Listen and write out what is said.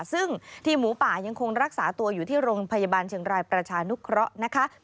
ซึ่งทีมหมูป่ายังคงรักษาตัวอยู่ที่โรงพยาบาลเชียงรายประชานุเคราะห์นะคะ